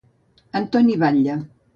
Antoni Batlle.